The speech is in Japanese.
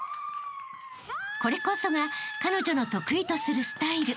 ［これこそが彼女の得意とするスタイル］